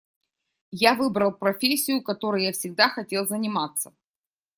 Я выбрал профессию, которой я всегда хотел заниматься.